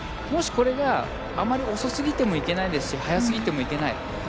もし、これがあまり遅すぎてもいけないですし速すぎてもいけない。